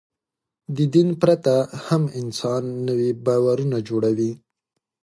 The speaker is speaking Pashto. د دین پرته هم انسان نوي باورونه جوړوي.